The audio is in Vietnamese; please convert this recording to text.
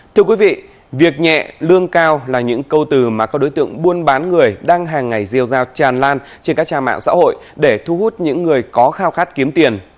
thưa quý vị việc nhẹ lương cao là những câu từ mà các đối tượng buôn bán người đang hàng ngày rêu rao tràn lan trên các trang mạng xã hội để thu hút những người có khao khát kiếm tiền